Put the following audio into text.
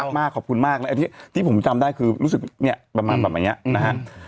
ขอบคุณมากขอบคุณมากที่ผมจำได้คือรู้สึกเนี่ยประมาณแบบมันเนี่ยนะฮะ